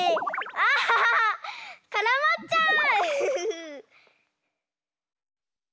あからまっちゃう！